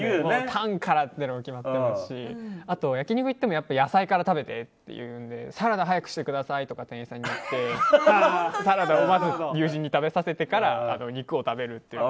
タンからって決まってますしあと焼肉行っても野菜から食べてって言うんでサラダ早くしてくださいって店員さんに言ってサラダをまず友人に食べさせてから肉を食べるという。